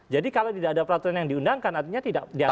jadi kalau tidak ada peraturan yang diundangkan artinya tidak pernah ada